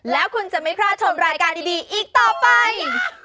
แล้วคุณจะไม่พลาดชมรายการดีอีกต่อไป